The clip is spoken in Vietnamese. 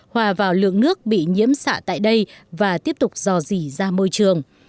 hòa vào lượng nước bị nhiễm xạ tại đây và tiếp tục dò dỉ ra môi trường